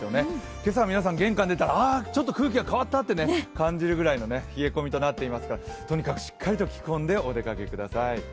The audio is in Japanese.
今朝は皆さん玄関出たら空気が変わったと感じるぐらいの冷え込みとなっていますからとにかくしっかりと着込んでお出かけください。